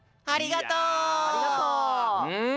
ありがとう！